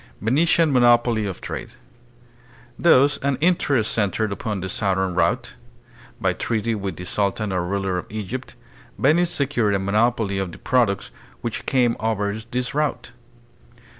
Venetian Monopoly of Trade. Thus all interest centered upon the southern route. By treaty with the sultan or ruler of Egypt, Venice secured a monopoly of the products which came over this route.